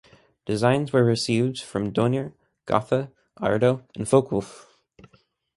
Designs were received from Dornier, Gotha, Arado and Focke-Wulf.